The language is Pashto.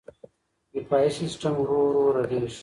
دفاعي سیستم ورو ورو رغېږي.